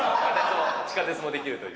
地下鉄もできるという。